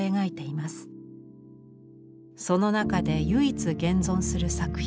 その中で唯一現存する作品。